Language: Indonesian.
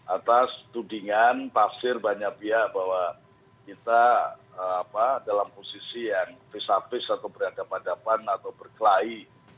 atas tudingan taksir banyak biar bahwa kita dalam posisi yang fisafis atau beradab adaban atau berkelahi